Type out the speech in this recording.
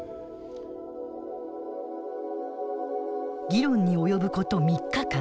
議論に及ぶこと３日間。